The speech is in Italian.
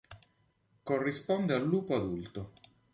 Corrisponde al lupo adulto.